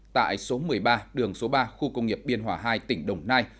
tại số một mươi ba đường số ba khu công nghiệp biên hòa hai tỉnh đồng nai